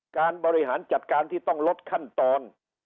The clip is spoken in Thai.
การบริหารจัดการที่ต้องลดขั้นตอน